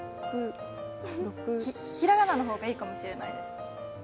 ひらがなの方がいいかもしれないです。